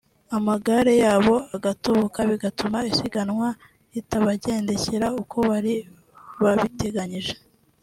amagare yabo agatoboka bigatuma isiganwa ritabagendekera uko bari babiteganyije